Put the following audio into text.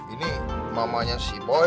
ini mamanya si boy